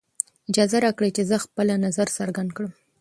اجازه راکړئ چې زه خپله نظر څرګند کړم.